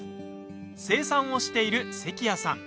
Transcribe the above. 生産をしている関谷さん。